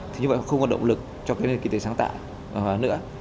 thế nhưng mà không có động lực cho cái nền kinh tế sáng tạo nữa